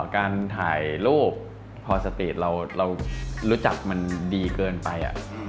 การถ่ายรูปพอสตีทเรารู้จักมันดีเกินไป